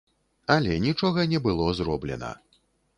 Але нічога не было зроблена.